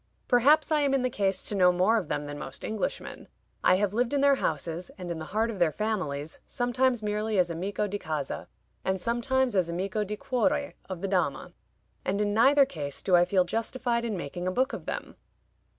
Perhaps I am in the case to know more of them than most Englishmen. I have lived in their houses, and in the heart of their families, sometimes merely as Amico di Casa, and sometimes as Amico di Cuore of the Dama, and in neither case do I feel justified in making a book of them.